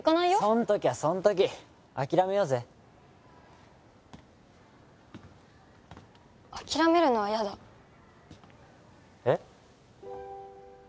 そん時はそん時諦めようぜ諦めるのは嫌だえっ？